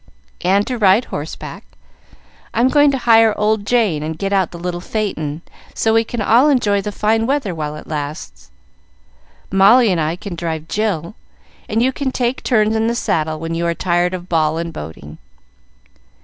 "And to ride horseback. I am going to hire old Jane and get out the little phaeton, so we can all enjoy the fine weather while it lasts. Molly and I can drive Jill, and you can take turns in the saddle when you are tired of ball and boating.